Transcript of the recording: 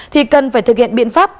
thì cần phải thực hiện biện pháp